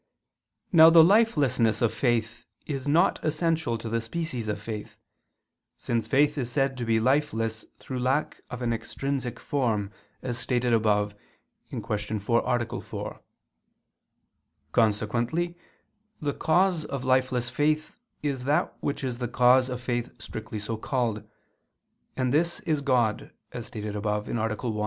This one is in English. Now the lifelessness of faith is not essential to the species of faith, since faith is said to be lifeless through lack of an extrinsic form, as stated above (Q. 4, A. 4). Consequently the cause of lifeless faith is that which is the cause of faith strictly so called: and this is God, as stated above (A. 1).